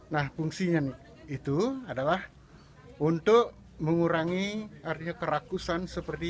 nah fungsinya itu adalah untuk mengurangi kerakusan